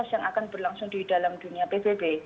yang akan berlangsung di dalam dunia pbb